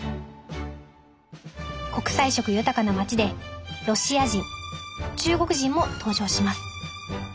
国際色豊かな街でロシア人中国人も登場します。